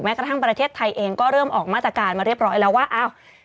กระทั่งประเทศไทยเองก็เริ่มออกมาตรการมาเรียบร้อยแล้วว่าอ้าว